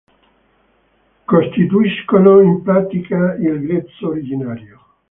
Costituiscono in pratica il grezzo originario.